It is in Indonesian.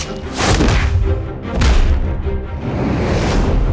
ambil saja kalau kalian berani